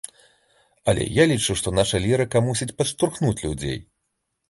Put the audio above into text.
Але я лічу, што нашая лірыка мусіць падштурхнуць людзей.